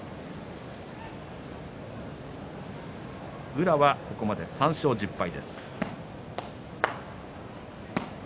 宇良はここまで３勝１０敗。